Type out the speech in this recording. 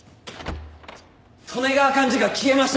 利根川寛二が消えました！